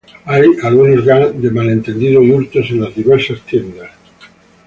Hay algunos gags de malentendidos y hurtos en las diversas tiendas.